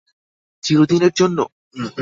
চিরদিনের জন্য?